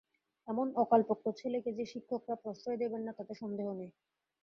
এমন অকালপক্ব ছেলেকে যে শিক্ষকরা প্রশ্রয় দেবেন না তাতে সন্দেহ নেই।